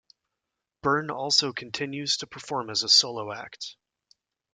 Byrne also continues to perform as a solo act.